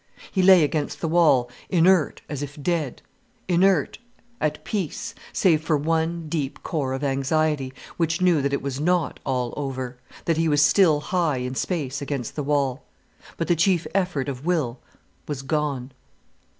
He lay against the wall inert as if dead, inert, at peace, save for one deep core of anxiety, which knew that it was not all over, that he was still high in space against the wall. But the chief effort of will was gone.